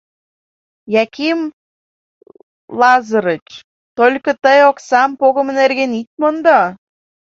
— Яким Лазырыч, только тый оксам погымо нерген ит мондо.